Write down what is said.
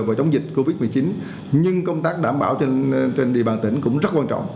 và chống dịch covid một mươi chín nhưng công tác đảm bảo trên địa bàn tỉnh cũng rất quan trọng